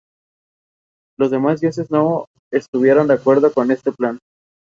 Está protagonizado por Pablo Echarri, Érica Rivas.